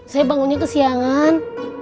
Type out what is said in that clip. saya bangunnya kesiangan